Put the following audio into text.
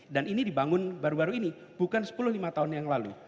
dan ini dibangun baru baru ini bukan sepuluh lima belas tahun yang lalu